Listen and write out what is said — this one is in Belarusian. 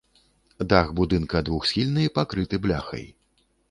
Дах будынка двухсхільны, пакрыты бляхай.